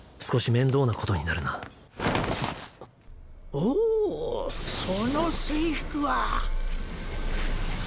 おおその制服は。